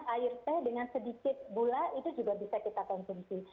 air teh dengan sedikit gula itu juga bisa kita konsumsi